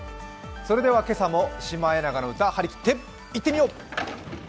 それでは今朝も「シマエナガの歌」張り切っていってみよう！